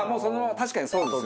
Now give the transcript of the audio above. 確かにそうですね。